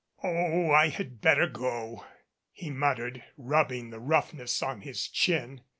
"Oh, I had better go," he muttered, rubbing the rough ness on his chin.